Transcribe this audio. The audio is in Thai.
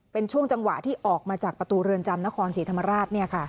เป็นช่วงจังหวะที่ออกมาจากประตูเรือนจำนครศรีธรรมราช